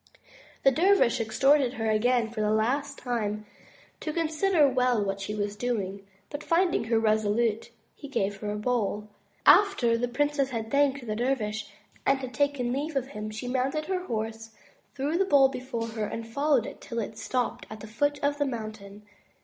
The dervish exhorted her again for the last time to consider well what she was doing, but finding her resolute he gave her a bowl. After the princess had thanked the dervish and taken leave of him, she mounted her horse, threw the bowl before her, and followed it till it stopped at the foot of the mountain.